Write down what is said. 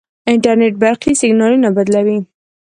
انټرنیټ برقي سیګنالونه بدلوي.